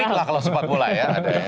minimal lah kalau sempat boleh ya